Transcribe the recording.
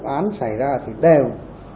các vụ án xảy ra thì đều